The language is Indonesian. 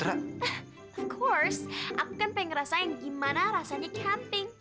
of course aku kan pengen rasanya gimana rasanya camping